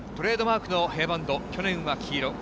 トレードマークのヘアバンド、去年は黄色。